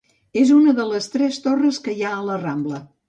És una de les tres torres que hi ha a la Rambla.